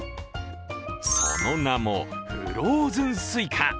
その名も、フローズンスイカ。